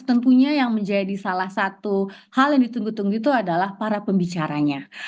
tentunya yang menjadi salah satu hal yang ditunggu tunggu itu adalah para pembicaranya